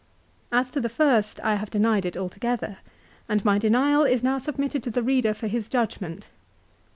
As to the first I have denied it altogether, and my denial is now submitted to the reader for his judg ment.